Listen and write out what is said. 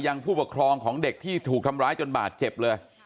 ผู้ปกครองของเด็กที่ถูกทำร้ายจนบาดเจ็บเลย